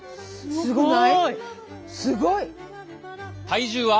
すごいね。